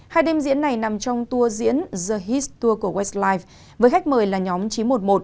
hai đêm diễn này nằm trong tour diễn the hits tour của westlife với khách mời là nhóm chín trăm một mươi một